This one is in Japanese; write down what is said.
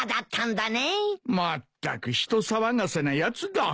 まったく人騒がせなやつだ。